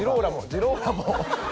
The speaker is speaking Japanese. ジローラモ。